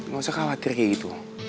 gak usah khawatir kayak gitu